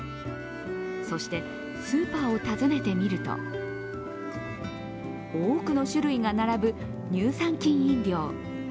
そして、スーパーを訪ねてみると多くの種類が並ぶ乳酸菌飲料。